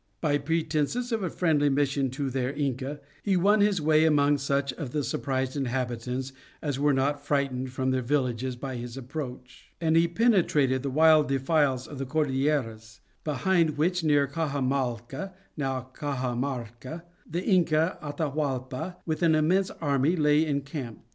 By pretences of a friendly mission to their Inca, he won his way among such of the surprised inhabitants as were not frightened from their villages by his approach; and penetrated the wild defiles of the Cordilleras, behind which, near Caxamalca now Caxamarca the Inca Atahualpa, with an immense army lay encamped.